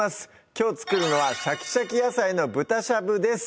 きょう作るのは「シャキシャキ野菜の豚しゃぶ」です